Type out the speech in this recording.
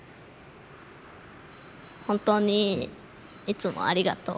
本当にいつもありがとう。